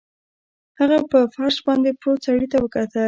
هغه په فرش باندې پروت سړي ته وکتل